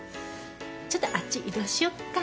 ちょっとあっち移動しよっか。